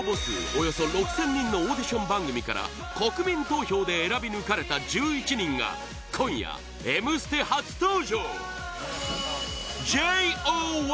およそ６０００人のオーディション番組から国民投票で選び抜かれた１１人が今夜「Ｍステ」初登場！